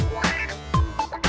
per banget tau ga